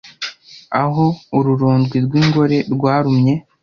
Aho ururondwe rw'ingore rwarumye